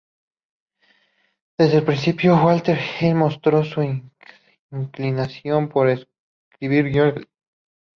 Desde un principio Walter Hill mostró su inclinación por escribir guiones.